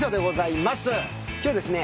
今日ですね